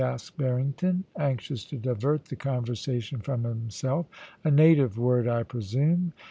* asked Barrington, anxious to divert the conversation from himself * A native word, I presume